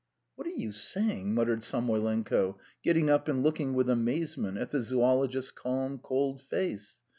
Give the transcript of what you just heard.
"What are you saying?" muttered Samoylenko, getting up and looking with amazement at the zoologist's calm, cold face.